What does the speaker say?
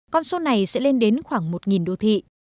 con số này sẽ lên đến khoảng một đô thị